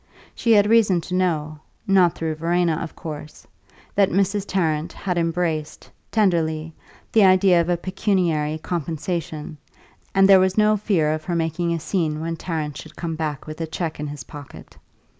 She had reason to know (not through Verena, of course) that Mrs. Tarrant had embraced, tenderly, the idea of a pecuniary compensation, and there was no fear of her making a scene when Tarrant should come back with a cheque in his pocket.